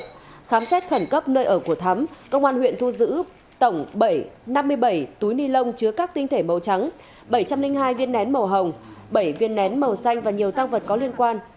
khi khám xét khẩn cấp nơi ở của thắm công an huyện thu giữ tổng năm mươi bảy túi ni lông chứa các tinh thể màu trắng bảy trăm linh hai viên nén màu hồng bảy viên nén màu xanh và nhiều tăng vật có liên quan